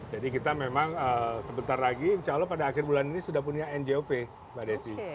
jadi kita memang sebentar lagi insya allah pada akhir bulan ini sudah punya njop mbak desi